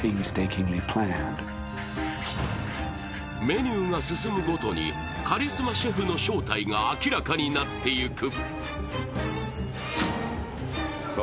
メニューが進むごとにカリスマシェフの正体が明らかになっていく。